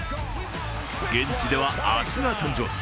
現地では明日が誕生日。